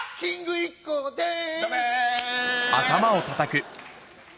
ＩＫＫＯです。